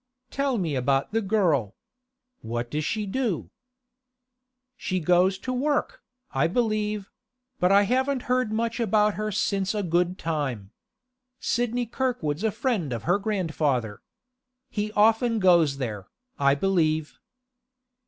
'Tell me about the girl. What does she do?' 'She goes to work, I believe; but I haven't heard much about her since a good time. Sidney Kirkwood's a friend of her grandfather. He often goes there, I believe.